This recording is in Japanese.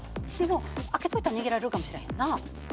でも開けといたら逃げられるかもしらへんな。